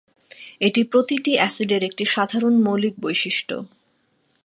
এটি প্রতিটি অ্যাসিডের একটি সাধারণ মৌলিক বৈশিষ্ট্য।